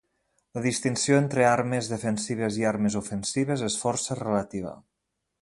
la distinció entre armes defensives i armes ofensives és força relativa